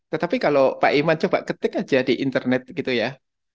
tetapi kalau pak iman coba ketik aja di internet gitu ya